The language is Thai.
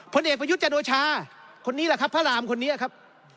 ผลเอกประยุทธ์จันโอชาคนนี้แหละครับพระรามคนนี้ครับ